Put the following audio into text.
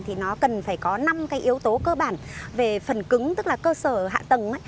thì nó cần phải có năm cái yếu tố cơ bản về phần cứng tức là cơ sở hạ tầng